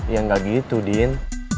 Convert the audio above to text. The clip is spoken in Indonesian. ya gak gitu din